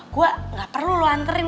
gue gak perlu lo anterin